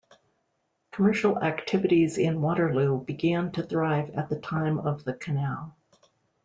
Commercial activities in Waterloo began to thrive at the time of the canal.